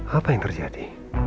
apa yang terjadi